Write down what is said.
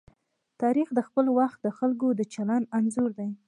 تاریخ د خپل وخت د خلکو د چلند انځور دی.